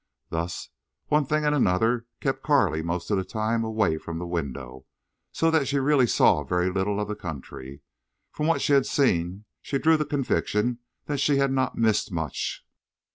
Thus, one thing and another kept Carley most of the time away from the window, so that she really saw very little of the country. From what she had seen she drew the conviction that she had not missed much.